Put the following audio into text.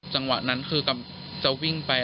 จังหวะนั้นคือกำลังจะวิ่งไป